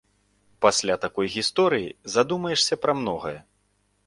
Пасля такой гісторыі задумаешся пра многае.